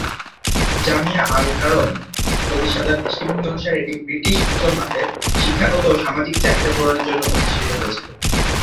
জামিয়া আল-কারম প্রতিষ্ঠাতার দৃষ্টিভঙ্গি অনুসারে এটি ব্রিটিশ মুসলমানদের শিক্ষাগত ও সামাজিক সামাজিক চাহিদা পূরণের জন্য প্রতিষ্ঠিত হয়েছিল।